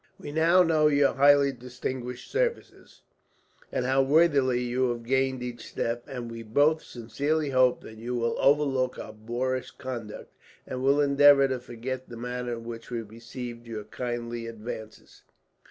We now know your highly distinguished services, and how worthily you have gained each step; and we both sincerely hope that you will overlook our boorish conduct, and will endeavour to forget the manner in which we received your kindly advances."